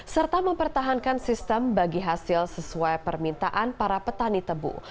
serta mempertahankan sistem bagi hasil sesuai permintaan para petani tebu